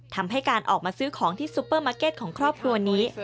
ทำให้การออกมาซื้อของที่ซูเปอร์มาร์เก็ตของครอบครัวนี้